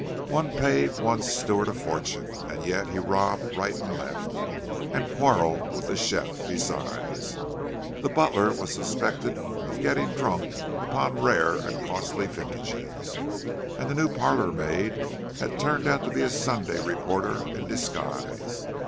One paid one's steward a fortune, and yet he robbed right and left, and quarrelled with the chef besides. The butler was suspected of getting drunk upon rare and costly vintages, and the new parlour maid had turned out to be a Sunday reporter in disguise.